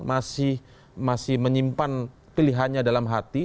masih menyimpan pilihannya dalam hati